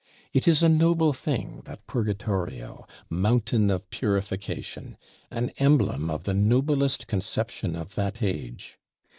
It is a noble thing, that Purgatorio, "Mountain of Purification"; an emblem of the noblest conception of that age.